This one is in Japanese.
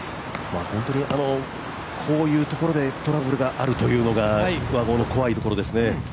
本当にこういうところでトラブルがあるというのが和合の怖いところですね。